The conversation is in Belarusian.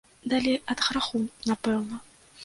Далей ад граху, напэўна.